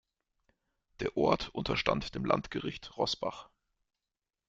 Der Ort unterstand dem Landgericht Roßbach.